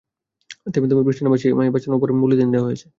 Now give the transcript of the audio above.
থেমে থেমে বৃষ্টি নামায় সেমাই বাঁচানোর জন্য ওপরে পলিথিন দেওয়া হয়েছে।